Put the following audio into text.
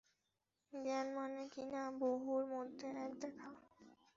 জ্ঞান মানে কিনা, বহুর মধ্যে এক দেখা।